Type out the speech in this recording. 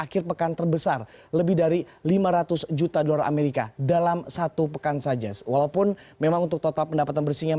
kembali di tahun dua ribu lima belas